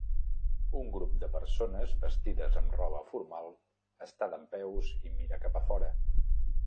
Un grup de persones vestides amb roba formal està dempeus i mira cap a fora.